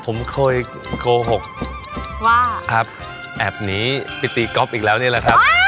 ผมเคยโกหกแอบหนีปิดตีก๊อบอีกแล้วนี่แหละครับ